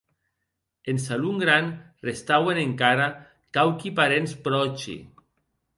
En salon gran restauen encara quauqui parents pròchi.